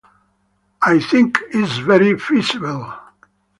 I think it's very feasible.